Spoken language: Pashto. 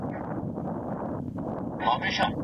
ملائکو ته د ادم ع مقام معلوم سو.